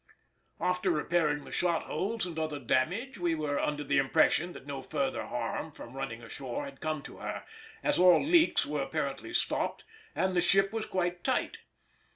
After repairing the shot holes and other damage, we were under the impression that no further harm from running ashore had come to her, as all leaks were apparently stopped and the ship was quite tight.